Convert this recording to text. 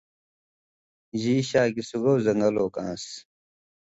جی شا گی سُگاؤ زن٘گل اوک آن٘س۔